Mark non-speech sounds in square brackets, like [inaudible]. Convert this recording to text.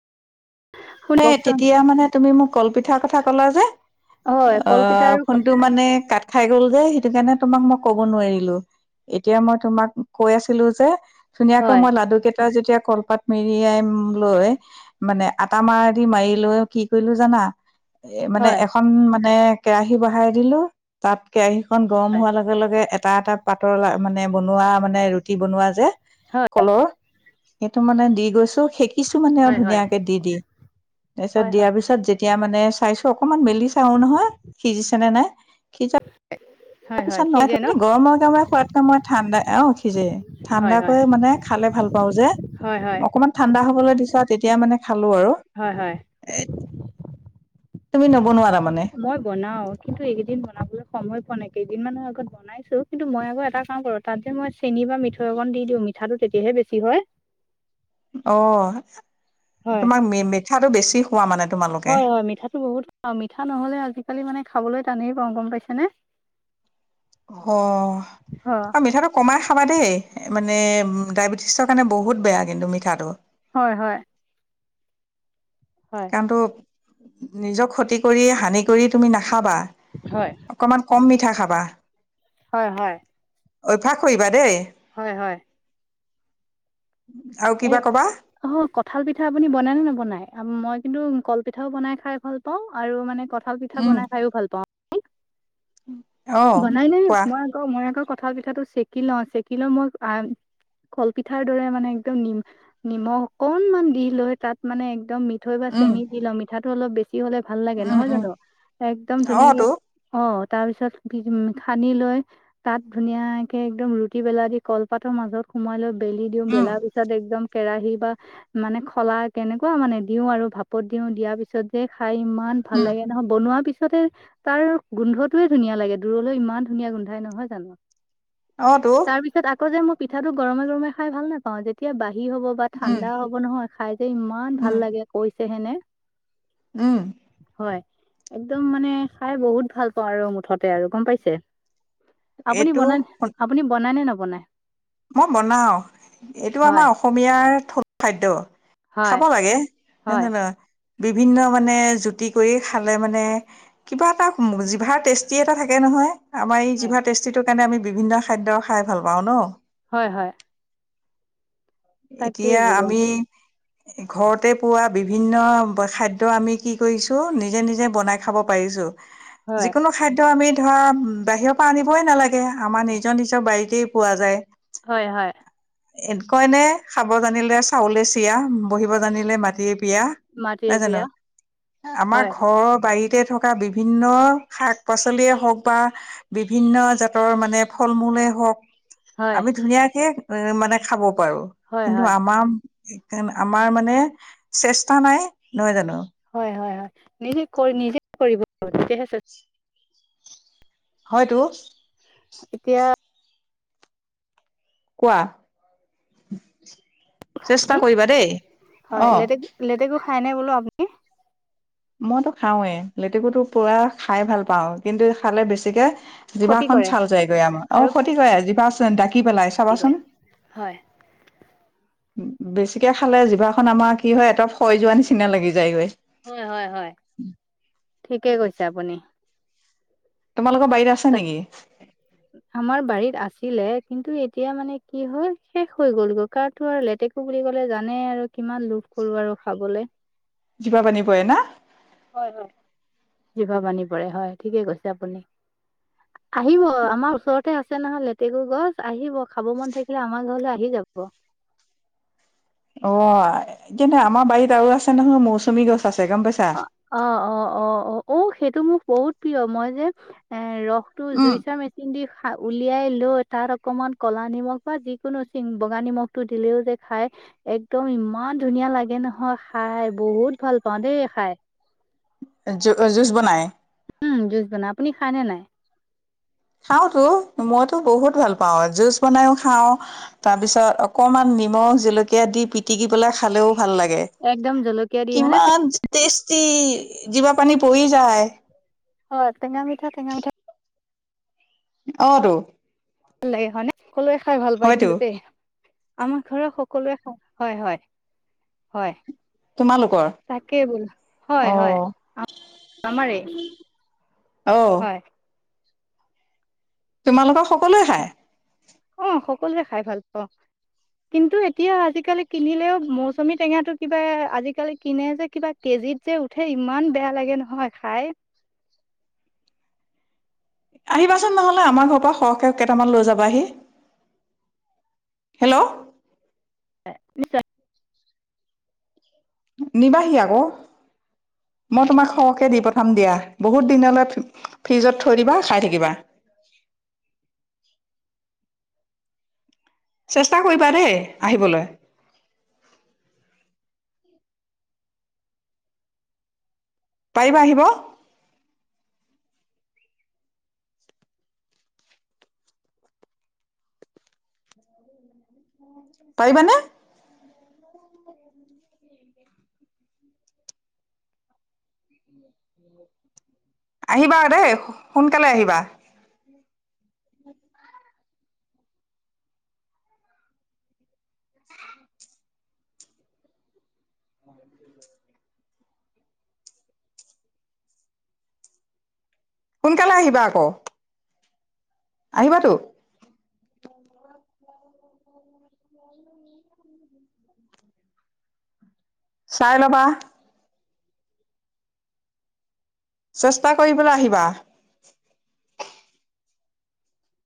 শুন এ কওকচোন তেতিয়া মানে তুমি মোক কলপিঠাৰ কথা কলা যে। হয় কলপিঠা অ' আৰু ফোনটো মানে কাত খাই গ'ল যে, সেইটো কাৰণে তোমাক মই ক'ব নোৱাৰিলো। এতিয়া মই তোমাক কৈ আছিলো যে ধুনীয়াকৈ হয় মই লাডুকেইটা যেতিয়া কলপাত মেৰিয়াই লৈ মানে আ ধা মাৰি লৈ কি কৰিলো জানা এ মানে হয় এ এখন মানে কেৰাহী বহাই দিলো তাত কেৰাহিখন গৰম হয় হোৱাৰ লগে লগে এটা এটা পাতৰ মানে বনোৱা মানে ৰুটি বনোৱা যে হয় কলৰ সেইটো মানে দি গৈছো সেকিছো মানে আৰু হয় হয় ধুনীয়াকে দি দি তাৰপিছত হয় হয় দিয়াৰ পিছত যেতিয়া মানে চাইছো অকনমান মেলি চাও নহয় সিজিছে নে নাই সিজা হয় নিচিনা হয় নাই সিজে ন তাতে গৰমৰ টাইমত খোৱাতকে মই ঠাণ্ডা অ সিজে হয় ঠাণ্ডা হয় কৰি মানে খালে ভাল পাওঁ যে হয় হয় অকমান ঠাণ্ডা হ'বলৈ দিছা তেতিয়াই মানে খালো আৰু হয় হয় এ তুমি নবনোৱা তাৰমানে মই বনাও কিন্তু এইকেইদিন বনাবলৈ সময় পোৱা নাই কেইদিন মানৰ আগত বনাইছো কিন্তু মই আকৌ এটা কাম কৰো তাত যে মই চেনি বা মিঠৈ অকন দি দিওঁ মিঠাটো তেতিয়াহে বেছি হয়। অঁ হয় তোমাক মি মিঠাটো বেছি খোৱা মানে তোমালোকে বা মিঠাতো বহুত। অঁ মিঠা নহলে আজিকালি মানে খাবলৈ টানেই পাওঁ গম পাইছানে? অ' হয় এ মিঠাতো- কমাই খাবা দেই, মানে ডায়েবেটিছৰ কাৰণে বহুত বেয়া কিন্তু মিঠাটো। হয় হয়। হয় টো নিজক ক্ষতি কৰি হানি কৰি তুমি নাখাবা। হয়। অকমান কম মিঠা খাবা। হয় হয়। অভ্যাস কৰিবা দেই। হয় হয়। আৰু কিবা কবা? অ'হৌ কঁঠাল পিঠা আপুনি বনাই নে নবনাই? মই কিন্তু কল পিঠাও বনাই খাই ভাল পাওঁ আৰু মানে কঠ- ঠাল পিঠা বনাই খায়ো ভাল- পাওঁ। অ বনাই নে, কোৱা মই আকৌ মই আকৌ কঠাল পিঠাটো চেকি লওঁ, চেকি লওঁ মই আ- কলপিঠাৰ দৰে মানে একদম নিম নিমখ অকনমান দি লৈ তাত মানে একদম মি- ঠৈ বা চেনি দি লওঁ, মিঠাটো অলপ বেছি হ'লে ভাল লাগে নহয় জানো? একদম অ তো ধুনীয়াকে- অঁ তাৰপিছত- দি দিম খানি লৈ তাত ধুনীয়াকে একদম ৰুটি বেলা দি কলপাতৰ মাজত সুমোৱাই লৈ- বেলি দিওঁ, বেলাৰ পিছত একদম- কেৰাহি বা মানে খলা কেনেকুৱা মানে দিওঁ আৰু ভাপত দিওঁ দিয়াৰ পিছত যে খাই ইমা- মান ভাল লাগে নহয়, বনোৱা পিছতে তাৰ গোন্ধটোয়ে ধুনীয়া লাগে। দূৰলৈ ইমান ধুনীয়া গোন্ধাই নহয় জানো? অ তো তাৰ পিছত, আক- আকৌ যে মই পিঠাটো গৰমে গৰমে খাই ভাল নেপাওঁ যেত- তিয়া বাহি হ'ব বা ঠাণ্ডা হ'ব নহয়, খাই যে ইমান ভাল লাগে কৈছেহেনে। উম' হয়, একদম মানে খাই বহুত ভাল পাওঁ আৰু মুঠতে আৰু গম পাইছে। আপুনি এইটো বনাই আপুনি বনায় নে নবনায়? মই বনাওঁ এইটো আমাৰ অসমীয়াৰ থলুৱা খাদ্য। খাব হয় লাগে হয় জানিছ নাই, বিভিন্ন মানে জুতি কৰি খালে মানে- কিবা এটা জিভাৰ টেষ্টি এটা থাকে নহয়। আমাৰ এই জিভা টেষ্টিটোৰ কাৰণে আমি বিভিন্ন খাদ্য খাই ভাল পাওঁ ন। হয় হয়। তাকেই এতিয়া বোলো আমি- ঘৰতে পোৱা বিভিন্ন খাদ্য আমি কি কৰিছোঁ নিজে নিজে বনাই- খাব পাৰিছো। হয় যিকোনো- খাদ্য আমি ধৰা বাহিৰৰ পা আনিবই নালাগে, আমাৰ নিজৰ নিজৰ বাৰীতেই পোৱা যায়। হয় হয়। এ কয়নে খাব জানিলে চাউলেই চিয়া বহিব জানিলে মাটিয়েই পিয়া। মাটিৰে নহয় জানো? বিয়া এ আমাৰ হয় ঘৰৰ বাৰীত- তেই থকা বিভিন্ন শাক পাচলিয়ে হওক বা- বিভিন্ন জাতৰ মানে ফল মূলে হওক- হয় আমি ধুনীয়াকে এ মানে খাব পাৰো। হয় কিন্তু হয় আমা- এইকাৰণে আমাৰ মানে চেষ্টা নাই নহয় জানো। হয় হয় হয়। নিজেই কৰি নিজেই কৰিব লাগিব, তেতিয়াহে চেষ্ট- [unintelligible] হয়তো। এতিয়া কোৱা চেষ্টা কৰিবা দেই, হয় অ'। লেটেকু লেটেকু খাইনে বোলো আপুনি? মইতো খাওঁৱে, লেটুকুটো পুৰা খাই ভাল পাওঁ কিন্তু খালে বেছিকে খতি জিভাখনন কৰে চাল যায়গৈ আমাৰ, অ' আৰু ক্ষতি কৰে জিভাত ডাকি পেলাইছ কি কৰে চাবাচোন। হয় উম, উম। বেছিকে খালে জিভাখন আমাৰ কি হয় এটা ফয় যোৱাৰ নিচিনা লাগি যায়গৈ। হয়, হয়, হয়। ঠিকে কৈছে আপুনি। তোমালোকৰ বাৰীত আছা তাক নেকি? [unintelligible] আমাৰ বাৰীত আছিলে কিন্তু এতিয়া মানে কি হ'ল শেষ হৈ গ'লগৈ কাৰণটো আৰু লেতেকু কো বুলি ক'লে জানে আৰু কিমান লোভ কৰো আৰু খাবলৈ। জিবাৰ পানী পৰে না। হয় হয়, জিভা পানী পৰে হয় ঠিকে কৈছে আপুনি। আহিব আমাৰ ওচৰতে আছে নহয় লেতেকুৰ গছ, আহিব খাব মন থাকিলে আমাৰ ঘৰলৈ আহি যাব। অ' যেনে আমাৰ বাৰীত আৰু আছে নহয় মৌচুমী গছ আছে গম পাইছা। অ অ', অ', অ', অ', অ' সেইটো মোক বহুত প্ৰিয় মই যে এ ৰসটো উম জুচ চোৱাৰ মে পিণ্ডি সা, উলিয়াই লৈ তাত অকমান ক'লা নিমখ বা যিকোনো চিং বগা নিমখ সেইটো দিলেও যে খাই একদম ইমান ধুনীয়া লাগে নহয় খাই, বহুত ভাল পাওঁ দেই খাই। এ জু-জুচ বনায়। উম জুচ বনায়, আপুনি খাইনে নাই। খাওঁতো, মইতো বহুত ভাল পাওঁ, জুচ বনাইও খাওঁ, তাৰ পিছত অকমান নিমখ জলকীয়া দি পিটিকি পেলাই খালেও ভাল লাগে। একদম জলকীয়া দি হয়নে কিমান টেষ্টি জিভা পানী পৰি যায়। হয়। টেঙা মিঠা, টেঙা মিঠা অহটো। ভাল লাগে হয়নে, সকলোৱে খাই ভাল পায় হয়তো কিন্তু দেই। আমাৰ ঘৰৰ সকলোৱে খাই হয়, হয়। হয়। তোমালোকৰ তাকেই বোলো হয়, অ হয় আ-আমাৰে। অহ'। তোমালোকৰ সকলোৱে খায়। অহ' সকলো খাই ভাল পাওঁ। কিন্তু এতিয়া আজিকালি কিনিলেও মৌচুমী টেঙাটো কিবা আজিকালি কিনে যে কিবা কেজিত যে উঠে ইমান বেয়া লাগে নহয় খাই। আহিবাচোন নহ'লে আমাৰ ঘৰ পৰা সৰহকৈ কেইটামান লৈ যাবাহি। হেল্ল'? নিশ্চয়। নিবাহি আকৌ। মই তোমাক সৰহকে দি পঠাম দিয়া, বহুত দিনলৈ থ, ফ্ৰিজত থৈ দিবা খাই থাকিবা। চেষ্টা কৰিবা দেই, আহিবলৈ। পাৰিবা আহিব? পাৰিবানে? [unintelligible] আহিবা দেই সোনকালে আহিবা [unintelligible] [inaudible] সোনকালে আহিবা আকৌ। আহিবাতো? [unintelligible] চাই ল'বা চেষ্টা কৰি পেলাই আহিবা